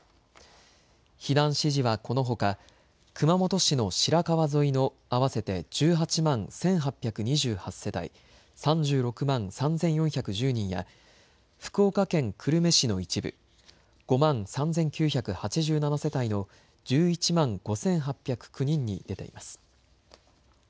避難指示はこのほか熊本市の白川沿いの合わせて１８万１８２８世帯３６万３４１０人や福岡県久留米市の一部、５万３９８７世帯の１１万５８０９人に出ています。